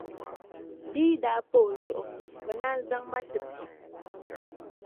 Di yi di daa pa o zuɣu, bɛ naan zaŋ ma n-ti pi.